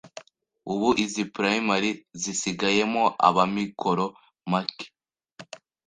Ubu izi primaire zisigayemo ab’amikoro make